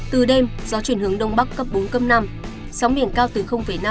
từ đêm gió chuyển hướng đông bắc cấp bốn năm sóng biển cao từ năm một năm m